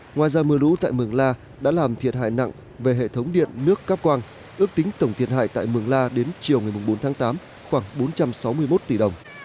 ngoài ra mưa lũ tại mường la đã làm thiệt hại nặng về hệ thống điện nước cáp quang ước tính tổng thiệt hại tại mường la đến chiều ngày bốn tháng tám khoảng bốn trăm sáu mươi một tỷ đồng